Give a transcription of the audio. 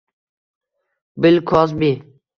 Bill Kozbi